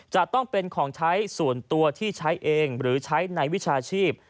จะต้องเป็นของใช้ส่วนตัวที่ใช้เองหรือใช้ในวิชาชีพ